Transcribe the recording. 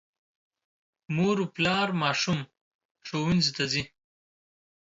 مور او پلار ماشوم ښوونځي ته ځي.